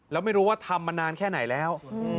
แล้วไม่รู้ว่าทำมานานแค่ไหนแล้ว